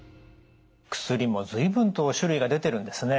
薬も随分と種類が出てるんですね。